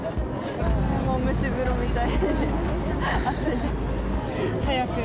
もう蒸し風呂みたい。